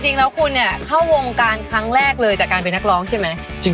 จริงแล้วคุณเนี่ยเข้าวงการครั้งแรกเลยจากการเป็นนักร้องใช่ไหม